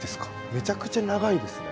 めちゃくちゃ長いですね。